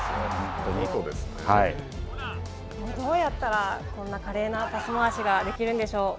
どうやったら、こんな華麗なパス回しができるんでしょう？